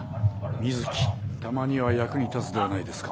水木たまには役に立つではないですか。